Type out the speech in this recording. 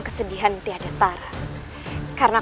tidak ada yang bisa diagakkan